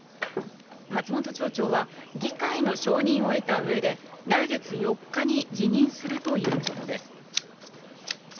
松本町長は、議会の承認を得たうえで、来月４日に辞任するということです。